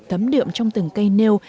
tấm điệm trong từng cây nêu